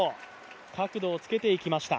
角度をつけていきました。